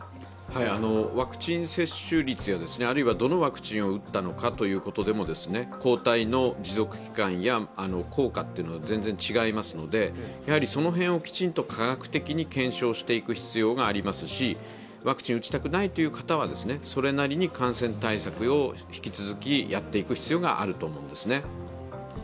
ワクチン接種率やどのワクチンを打ったのかということでも抗体の持続期間や効果というのは全然違いますので、その辺をきちんと科学的に検証していく必要がありますし、ワクチンを打ちたくないという方はそれなりに感染対策を引き続きやっていく必要があると思うんですね。